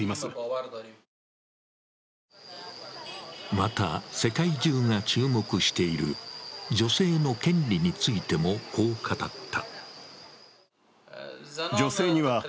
また、世界中が注目している女性の権利についてもこう語った。